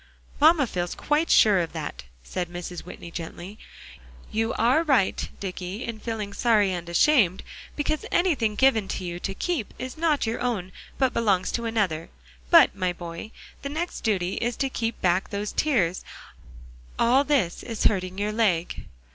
"Mamma feels quite sure of that," said Mrs. Whitney gently. "You are right, Dicky, in feeling sorry and ashamed, because anything given to you to keep is not your own but belongs to another; but, my boy, the next duty is to keep back those tears all this is hurting your leg."